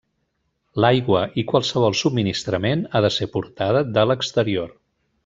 L'aigua i qualsevol subministrament ha de ser portada de l'exterior.